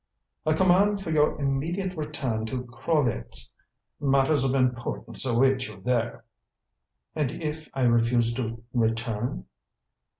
"A command for your immediate return to Krolvetz. Matters of importance await you there." "And if I refuse to return?"